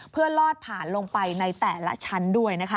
เพื่อลอดผ่านลงไปในแต่ละชั้นด้วยนะคะ